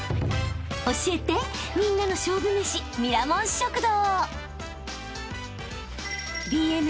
［教えてみんなの勝負めしミラモン食堂］